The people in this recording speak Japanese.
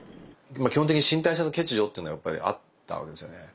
基本的に身体性の欠如っていうのがやっぱりあったわけですよね。